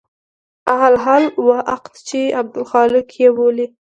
اهل حل و عقد چې عبدالحق يې بولي.